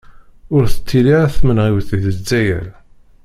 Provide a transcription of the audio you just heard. Ur d-tettili ara tmenɣiwt di Zzayer.